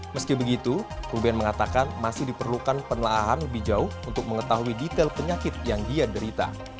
meski begitu ruben mengatakan masih diperlukan penelaahan lebih jauh untuk mengetahui detail penyakit yang dia derita